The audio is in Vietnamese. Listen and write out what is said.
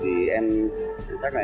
thì em tìm một chút rượu ở đấy để